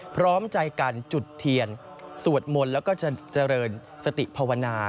พร้อมใจกันจุดเทียนสวดมนต์แล้วก็จะเจริญสติภาวนา